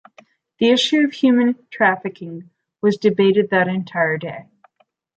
The issue of human trafficking was debated that entire day.